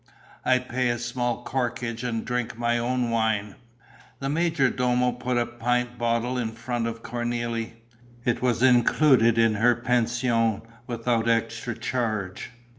"I pay a small corkage and drink my own wine." The major domo put a pint bottle in front of Cornélie: it was included in her pension without extra charge.